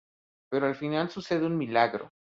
Pero al final sucede un milagro...